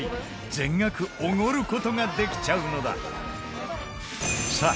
全額おごる事ができちゃうのださあ